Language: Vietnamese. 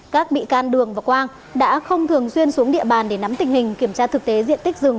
các bị can đường và quang đã không thường xuyên xuống địa bàn để nắm tình hình kiểm tra thực tế diện tích rừng